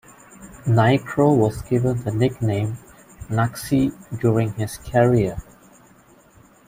Niekro was given the nickname "Knucksie" during his career.